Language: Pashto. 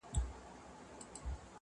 موري ډېوه دي ستا د نور د شفقت مخته وي.